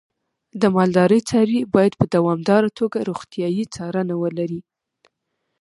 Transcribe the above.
د مالدارۍ څاروی باید په دوامداره توګه روغتیايي څارنه ولري.